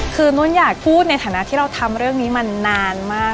คือนุ่นอยากพูดในฐานะที่เราทำเรื่องนี้มานานมาก